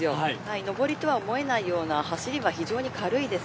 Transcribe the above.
上りとは思えないような走りが非常に軽いです。